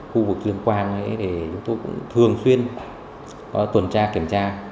khu vực dương quang ấy thì chúng tôi cũng thường xuyên có tuần tra kiểm tra